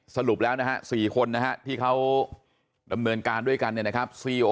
สรุปแล้วนะฮะ๔คนนะฮะที่เขาดำเนินการด้วยกันเนี่ยนะครับ